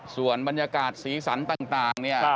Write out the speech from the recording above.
ส่วนบรรยากาศสีสันต่างเนี่ย